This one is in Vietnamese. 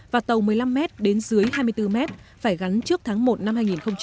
và tàu một mươi năm mét đến dưới hai mươi bốn mét phải gắn trước tháng một năm hai nghìn một mươi chín